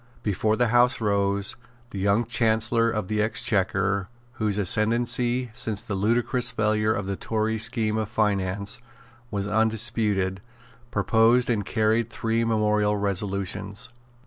Before the House rose the young Chancellor of the Exchequer, whose ascendency, since the ludicrous failure of the Tory scheme of finance, was undisputed, proposed and carried three memorable resolutions.